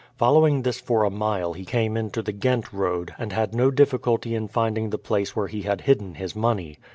Following this for a mile he came into the Ghent road, and had no difficulty in finding the place where he had hidden his money.